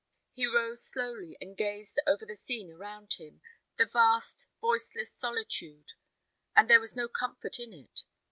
He rose slowly, and gazed over the scene around him the vast, voiceless solitude and there was no comfort in it.